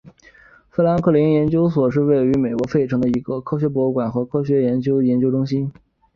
富兰克林研究所是位于美国费城的一个科学博物馆和科学教育研究中心。